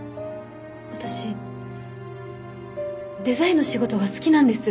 私デザインの仕事が好きなんです。